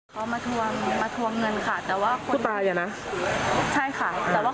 หนูจะอยู่เป็นหลานน้อยค่ะ